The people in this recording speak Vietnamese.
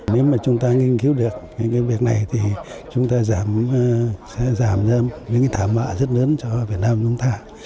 nếu mà chúng ta nghiên cứu được những cái việc này thì chúng ta sẽ giảm ra những cái thảm họa rất lớn cho việt nam chúng ta